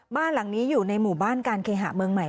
บ้านหลังนี้อยู่ในหมู่บ้านการเคหะเมืองใหม่